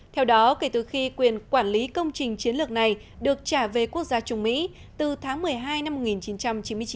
theo đó kể từ khi quyền quản lý công trình chiến lược này được trả về quốc gia trung mỹ từ tháng một mươi hai năm một nghìn chín trăm chín mươi chín